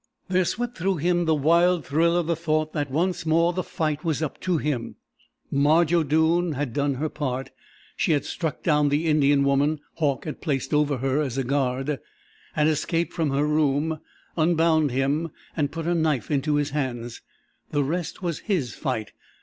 There swept through him the wild thrill of the thought that once more the fight was up to him. Marge O'Doone had done her part. She had struck down the Indian woman Hauck had placed over her as a guard had escaped from her room, unbound him, and put a knife into his hands. The rest was his fight.